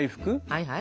はいはい。